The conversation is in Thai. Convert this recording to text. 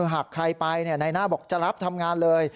หากใครไปนายหน้าบอกจะรับทำงานเลย